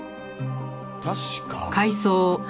確か。